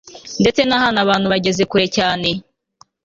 ndetse nahantu abantu bageze kure cyane